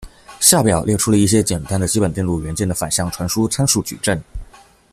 下表列出了一些简单的基本电路元件的反向传输参数矩阵。